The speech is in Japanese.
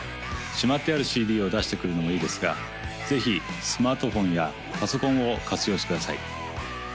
しまってあるＣＤを出してくるのもいいですがぜひスマートフォンやパソコンを活用してください